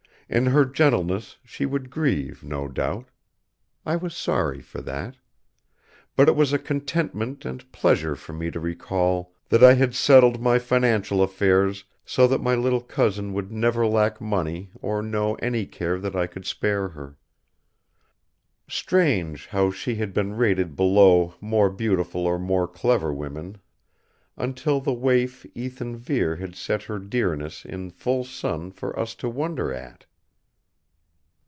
In her gentleness she would grieve, no doubt. I was sorry for that. But it was a contentment and pleasure for me to recall that I had settled my financial affairs so that my little cousin would never lack money or know any care that I could spare her. Strange, how she had been rated below more beautiful or more clever women until the waif Ethan Vere had set her dearness in full sun for us to wonder at!